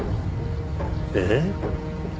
えっ？